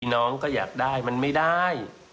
น้องก็อยากได้มันไม่ได้